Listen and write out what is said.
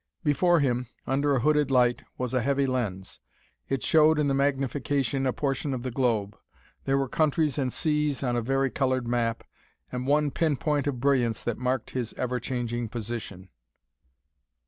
Before him, under a hooded light, was a heavy lens. It showed in magnification a portion of the globe. There were countries and seas on a vari colored map, and one pin point of brilliance that marked his ever changing position.